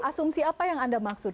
asumsi apa yang anda maksud